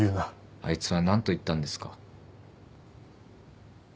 あいつは何と言ったんですか？